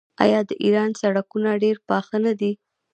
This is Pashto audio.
آیا د ایران سړکونه ډیر پاخه نه دي؟